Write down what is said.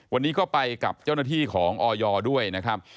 วันนี้ก็ไปกับเจ้าหน้าที่ของออยด้วยนะครับ